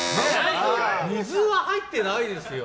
水は入ってないですよ。